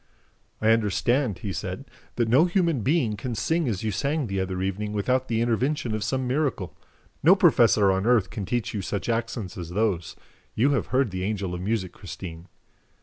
"I understand," he said, "that no human being can sing as you sang the other evening without the intervention of some miracle. No professor on earth can teach you such accents as those. You have heard the Angel of Music, Christine."